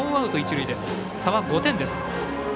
差は５点です。